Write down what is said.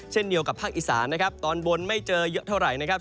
เช่นเดียวกับภาคอีสานนะครับตอนบนไม่เจอเยอะเท่าไหร่นะครับ